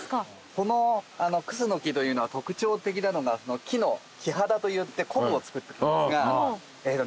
このクスノキというのは特徴的なのが木の木肌といってこぶをつくってるんですが。